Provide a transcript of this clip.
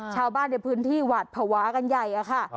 ชาวบ้านในพื้นที่หวาดภาวะกันใหญ่อะค่ะ